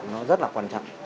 nó rất là quan trọng